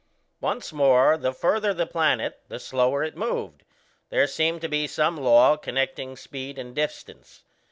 Once more, the further the planet the slower it moved; there seemed to be some law connecting speed and distance.